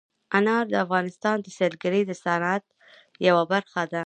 انار د افغانستان د سیلګرۍ د صنعت یوه برخه ده.